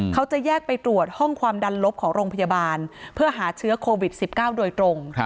เขาจะแยกไปตรวจห้องความดันลบของโรงพยาบาลเพื่อหาเชื้อโควิด๑๙โดยตรง